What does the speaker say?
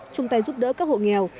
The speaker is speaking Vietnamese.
chung tay giúp đỡ các hộ nghèo